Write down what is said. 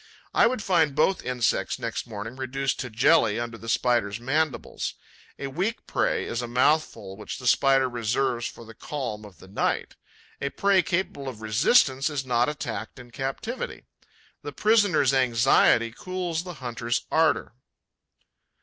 I would find both insects, next morning, reduced to a jelly under the Spider's mandibles. A weak prey is a mouthful which the Spider reserves for the calm of the night. A prey capable of resistance is not attacked in captivity. The prisoner's anxiety cools the hunter's ardour.